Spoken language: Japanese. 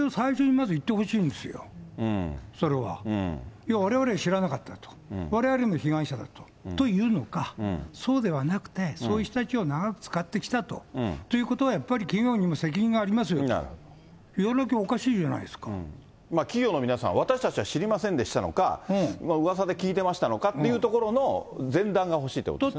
要はわれわれ知らなかったと、われわれも被害者だと、というのか、そうではなくて、そういう人たちを長く使ってきたと。ということはやっぱり企業にも責任がありますよと、言わなきゃお企業の皆さん、私たちは知りませんでしたのか、うわさで聞いてましたのかと、前段がほしいということですね。